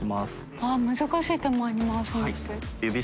あっ難しい手前に回すのって。